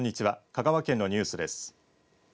香川県のニュースです。